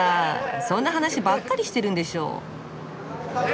そんな話ばっかりしてるんでしょう！